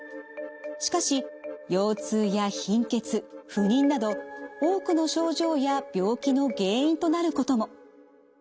しかし腰痛や貧血不妊など多くの症状や病気の原因となることも。